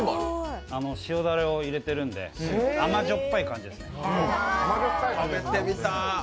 塩だれを入れているので、甘じょっぱい感じですね。